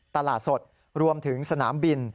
ตลาดสดรวมถึงสนามบิน